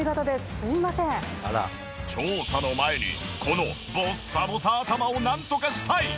調査の前にこのボッサボサ頭をなんとかしたい！